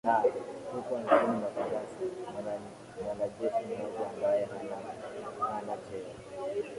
a huko nchini madagascar mwanajeshi mmoja ambaye hana hana cheo